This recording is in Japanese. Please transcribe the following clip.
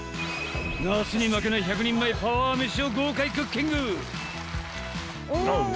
夏に負けない１００人前パワー飯を豪快クッキング！